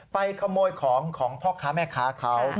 ขโมยของของพ่อค้าแม่ค้าเขา